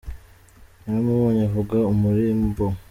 Naramubonye avuga umurimbo